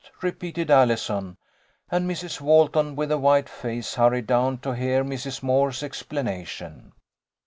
repeated Allison, and Mrs. Wal ton, with a white face, hurried down to hear Mrs. Moore's explanation.